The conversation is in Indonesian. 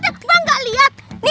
tidak ada mbak gak liat